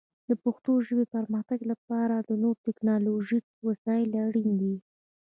د پښتو ژبې پرمختګ لپاره نور ټکنالوژیکي وسایل اړین دي.